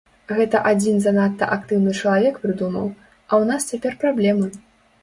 Гэта адзін занадта актыўны чалавек прыдумаў, а ў нас цяпер праблемы.